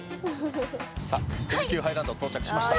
さあ富士急ハイランド到着しました。